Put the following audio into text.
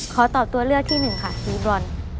ขอตอบตัวเลือกที่หนึ่งค่ะสีบรอน